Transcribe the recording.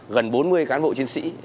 gần bốn mươi cán bộ chiến sĩ